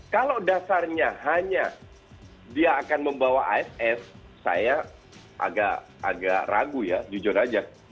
kalau dasarnya hanya dia akan membawa aff saya agak ragu ya jujur aja